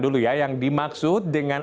dulu ya yang dimaksud dengan